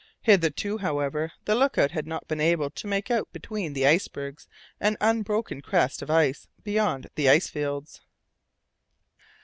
Hitherto, however, the look out had not been able to make out between the icebergs an unbroken crest of ice beyond the ice fields.